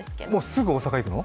すぐ大阪に行くの？